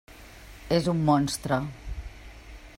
És un monstre.